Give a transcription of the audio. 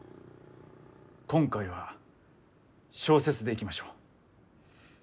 今回は小説でいきましょう。